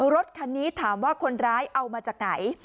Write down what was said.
รถคันนี้ถามว่าคนร้ายเอามาจากไหน